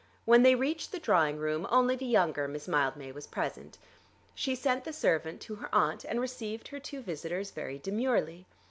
When they reached the drawing room only the younger Miss Mildmay was present. She sent the servant to her aunt, and received her two visitors very demurely.